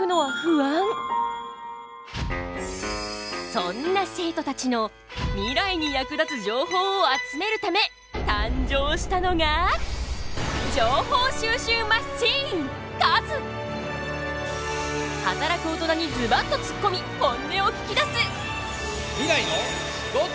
そんな生徒たちのミライに役立つ情報を集めるため誕生したのが働く大人にズバッとつっこみ本音を聞きだす！